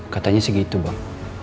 katanya segitu bang